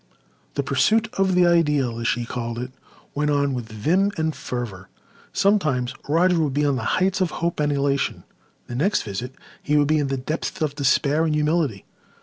The "pursuit of the Ideal," as she called it, went on with vim and fervour. Sometimes Roger would be on the heights of hope and elation; the next visit he would be in the depths of despair and humility.